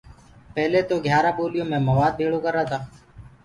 پيلي تو گھيٚيآرآ ٻوليو ڪو موآد ڀيݪو ڪرتآ۔